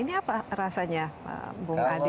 ini apa rasanya bung adi